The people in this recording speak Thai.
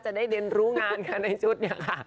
จะได้เรียนรู้งานค่ะในชุดนี้ค่ะ